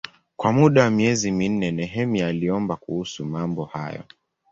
Kwa muda wa miezi minne Nehemia aliomba kuhusu mambo hayo.